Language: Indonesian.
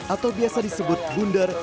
atau biasa disebut bunder